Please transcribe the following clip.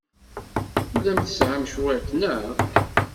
Tellam tesɛam cwiṭ, naɣ?